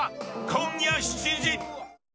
今夜７時。